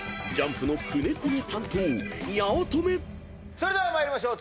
それでは参りましょう。